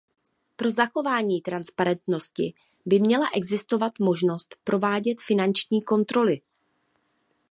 Pro zachování transparentnosti by měla existovat možnost provádět finanční kontroly.